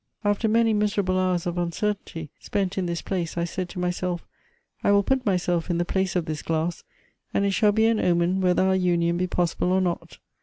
After many miserable hours of uncertainty, spent in this place, I said to myself, ' I will put myself in the place of this glass, and it shall be an omen whether our union be possible or not.